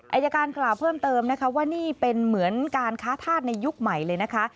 อายการกล่าวเพิ่มเติมนะคะว่านี่เป็นเหมือนการค้าธาตุในยุคใหม่เลยนะคะ